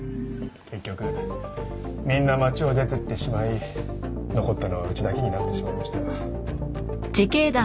結局みんな町を出てってしまい残ったのはうちだけになってしまいましたが。